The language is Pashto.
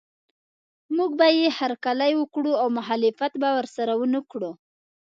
موږ به یې هرکلی وکړو او مخالفت به ورسره ونه کړو.